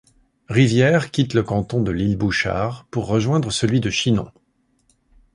Rivière quitte le canton de l'Ile Bouchard pour rejoindre celui de Chinon.